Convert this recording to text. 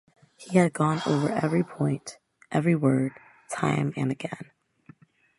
He had gone over every point, every word, time and again.